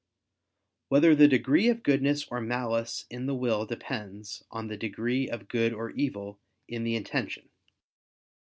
8] Whether the Degree of Goodness or Malice in the Will Depends on the Degree of Good or Evil in the Intention?